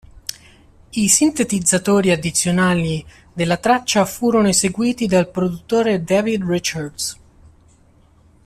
I sintetizzatori addizionali della traccia furono eseguiti dal produttore David Richards.